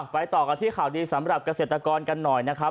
ต่อกันที่ข่าวดีสำหรับเกษตรกรกันหน่อยนะครับ